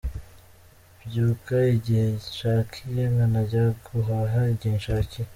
Mbyuka igihe nshakiye, nkanajya guhaha igihe nshaciye.